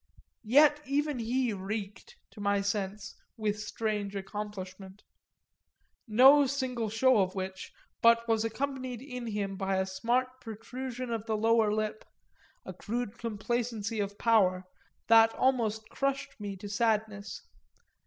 Yet even he reeked, to my sense, with strange accomplishment no single show of which but was accompanied in him by a smart protrusion of the lower lip, a crude complacency of power, that almost crushed me to sadness.